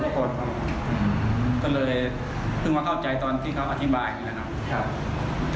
ก็เลยเพิ่งมาเข้าใจตอนที่เขาอธิบายอย่างนี้นะครับ